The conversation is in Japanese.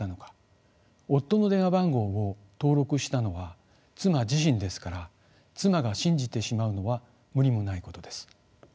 夫の電話番号を登録したのは妻自身ですから妻が信じてしまうのは無理もないことです。